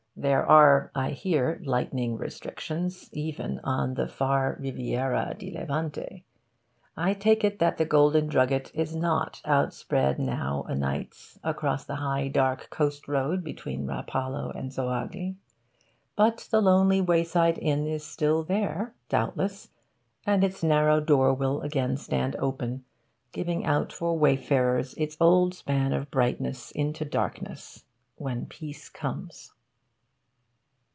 There are, I hear, 'lighting restrictions' even on the far Riviera di Levante. I take it that the Golden Drugget is not outspread now anights across the high dark coast road between Rapallo and Zoagli. But the lonely wayside inn is still there, doubtless; and its narrow door will again stand open, giving out for wayfarers its old span of brightness into darkness, when peace comes.